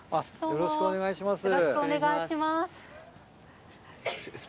よろしくお願いします。